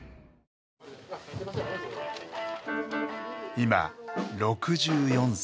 今６４歳。